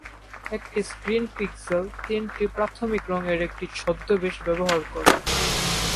একটি screen pixel এই তিনটি প্রাথমিক রঙের একটি ছদ্মবেশ ব্যবহার করে।